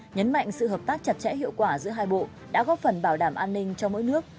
nhấn mạnh sự hợp tác chặt chẽ hiệu quả giữa hai bộ đã góp phần bảo đảm an ninh cho mỗi nước